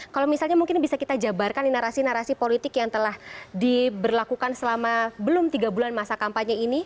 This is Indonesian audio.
kalau misalnya mungkin bisa kita jabarkan nih narasi narasi politik yang telah diberlakukan selama belum tiga bulan masa kampanye ini